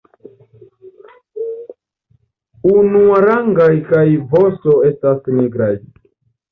Unuarangaj kaj vosto estas nigraj.